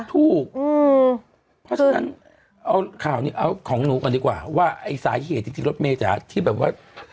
ถูกเพราะฉะนั้นเอาของหนูก่อนดีกว่าว่าไอ้สายเหตุที่รถเมจาที่แบบว่า